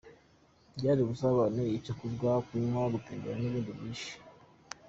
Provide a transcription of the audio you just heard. Byari ubusabane; icyo kurya, kunywa, gutembere n'ibindi byinshi.